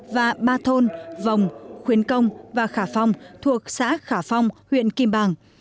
và ba thôn vòng khuyến công và khả phong thuộc xã khả phong huyện kim bàng